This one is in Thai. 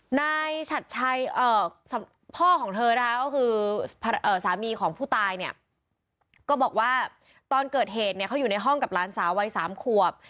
หลังจากนี้แม่ก็เขาถูกเชื่อว่าตอนเกิดเหตุเค้าอยู่ในห้องกับล้านสาววัย๓ขวบ